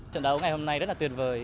trận đấu ngày hôm nay rất là tuyệt vời